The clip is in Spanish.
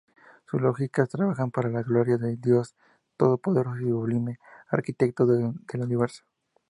Sus logias trabajan "Para la Gloria de Dios Todopoderoso y Sublime Arquitecto del Universo".